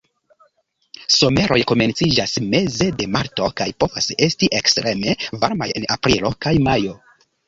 Someroj komenciĝas meze de marto kaj povas esti ekstreme varmaj en aprilo kaj majo.